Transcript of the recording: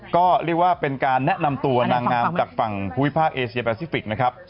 ก็เรียกว่าเป็นการแนะนำตัวนางงามจากฝั่งภูมิภาคเอเชียแปซิฟิกนะครับ